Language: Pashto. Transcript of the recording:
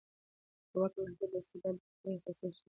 د واک محدودیت د استبداد د مخنیوي اساسي اصل دی